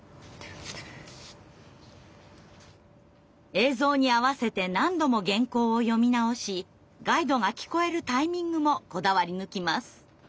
映像に合わせて何度も原稿を読み直しガイドが聞こえるタイミングもこだわりぬきます。